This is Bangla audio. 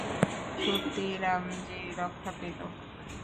সত্যিই, রামজি রক্ষা করেছে।